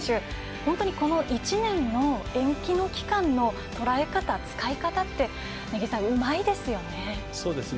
本当に、この１年の延期の期間のとらえ方使い方ってうまいですよね。